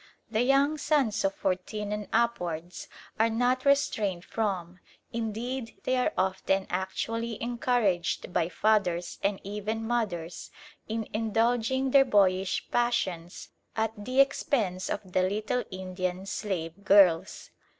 The young sons of fourteen and upwards are not restrained from, indeed they are often actually encouraged by fathers and even mothers in, indulging their boyish passions at the expense of the little Indian slave girls.